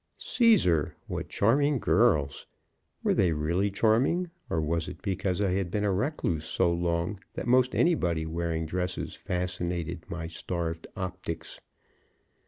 Caesar! what charming girls! Were they really charming! or was it because I had been a recluse so long that most anybody wearing dresses fascinated my starved optics?